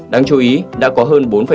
đáng chú ý đã có hơn